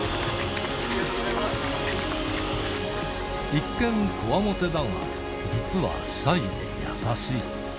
一見、こわもてだが、実はシャイで優しい。